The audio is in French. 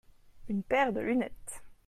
une paire de lunettes.